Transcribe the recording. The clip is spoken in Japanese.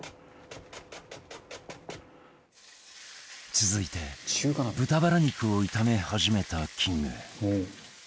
続いて豚バラ肉を炒め始めたキング